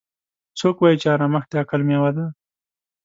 څوک وایي چې ارامښت د عقل میوه ده